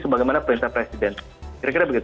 sebagaimana perintah presiden kira kira begitu